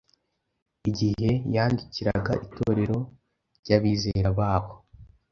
Igihe yandikiraga Itorero ry’abizera b’aho,